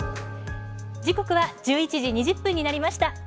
１１時２０分になりました。